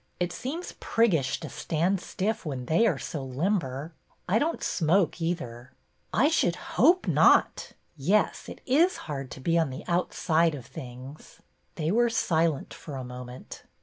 It seems priggish to stand stiff when they are so limber. I don't smoke either." '' I should hope not! Yes, it is hard to be on the outside of things." They were silent for a moment.